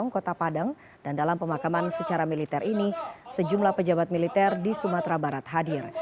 kepulauan riau selamat menikmati